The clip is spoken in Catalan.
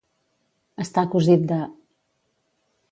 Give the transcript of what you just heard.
Estar cosit de.